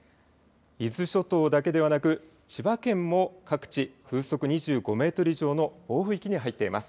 伊豆諸島だけではなく千葉県も各地、風速２５メートル以上の暴風域に入ってます。